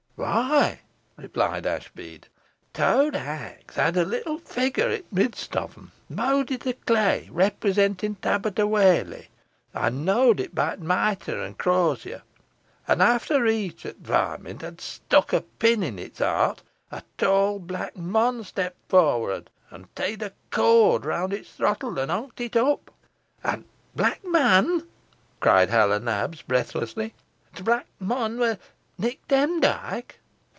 "Whoy," replied Ashbead, "t'owd hags had a little figure i' t' midst on 'em, mowded i' cley, representing t' abbut o' Whalley, ey knoad it be't moitre and crosier, an efter each o' t' varment had stickt a pin i' its 'eart, a tall black mon stepped for'ard, an teed a cord rownd its throttle, an hongt it up." "An' t' black mon," cried Hal o' Nabs, breathlessly, "t' black mon wur Nick Demdike?"